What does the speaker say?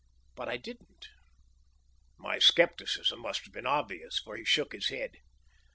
But I didn't." My scepticism must have been obvious, for he shook his head.